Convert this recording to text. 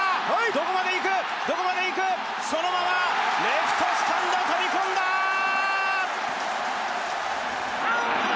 どこまで行くどこまで行くそのままレフトスタンド飛び込んだー！